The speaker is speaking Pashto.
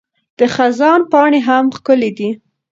د خزان پاڼې هم ښکلي دي.